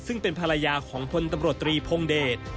ซึ่งเป็นภรรยาของพลตำรวจตรีพงเดช